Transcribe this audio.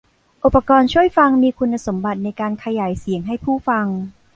อุปกรณ์ช่วยฟังมีคุณสมบัติในการขยายเสียงให้ผู้ฟัง